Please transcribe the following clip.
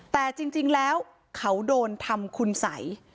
แต่จริงแล้วเขาโดนทำคุณสัย